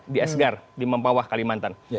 di asgar di mempawah kalimantan